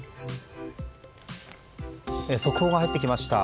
速報が入ってきました。